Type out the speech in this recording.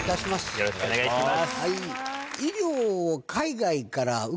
よろしくお願いします。